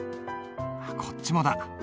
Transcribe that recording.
こっちもだ。